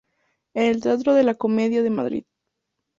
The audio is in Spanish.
En el Teatro de la Comedia de Madrid.